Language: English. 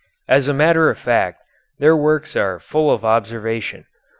As a matter of fact their works are full of observation.